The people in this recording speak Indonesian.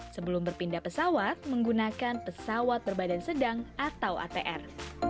sebelum berpindah pesawat menggunakan pesawat berbadan sedang atau atr